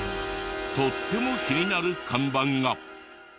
とっても気になる看板が。